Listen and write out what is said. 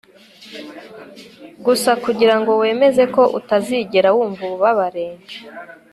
gusa kugirango wemeze ko utazigera wumva ububabare